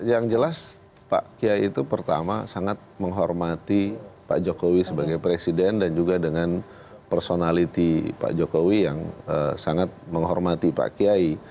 yang jelas pak kiai itu pertama sangat menghormati pak jokowi sebagai presiden dan juga dengan personality pak jokowi yang sangat menghormati pak kiai